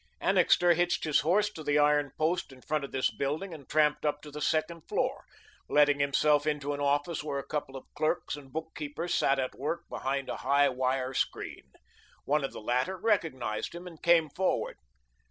Annixter hitched his horse to the iron post in front of this building, and tramped up to the second floor, letting himself into an office where a couple of clerks and bookkeepers sat at work behind a high wire screen. One of these latter recognised him and came forward.